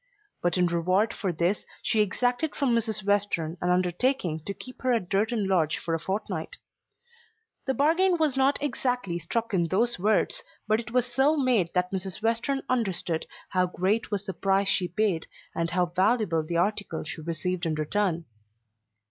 But in reward for this she exacted from Mrs. Western an undertaking to keep her at Durton Lodge for a fortnight. The bargain was not exactly struck in those words, but it was so made that Mrs. Western understood how great was the price she paid, and how valuable the article she received in return.